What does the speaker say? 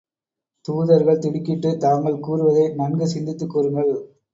தூதர்கள் திடுக்கிட்டு, தாங்கள் கூறுவதை நன்கு சிந்தித்துக் கூறுங்கள்.